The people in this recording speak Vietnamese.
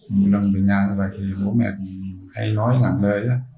một lần về nhà như vậy thì bố mẹ hay nói ngạc lệ